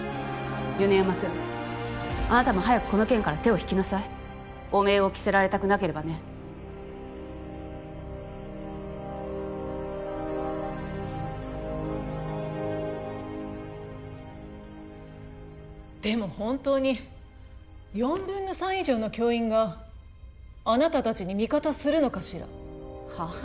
米山君あなたも早くこの件から手を引きなさい汚名を着せられたくなければねでも本当に４分の３以上の教員があなた達に味方するのかしらはあ？